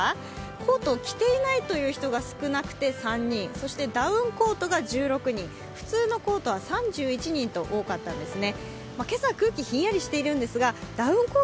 コートを着ていない人が少なくて３人そしてダウンコートが１６人、普通のコートは３１人と多かったですね。